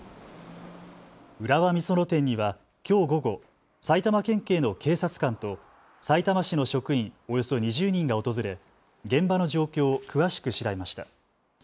浦和美園店にはきょう午後、埼玉県警の警察官とさいたま市の職員およそ２０人が訪れ現場の状況を詳しく調べました。